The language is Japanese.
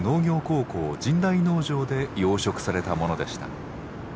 高校神代農場で養殖されたものでした。